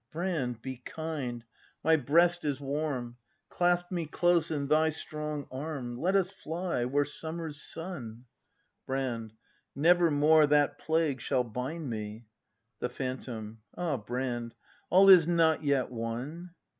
Brand, be kind; my breast is warm; Clasp me close in thy strong arm; — Let us fly where summer's sun Brand. Never more that plague shall bind me The Phantom. Ah, Brand, all is not yet won.